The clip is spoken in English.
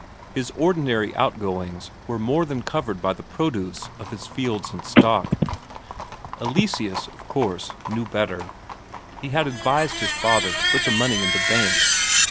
His ordinary outgoings were more than covered by the produce of his fields and stock. Eleseus, of course, knew better; he had advised his father to put the money in the Bank.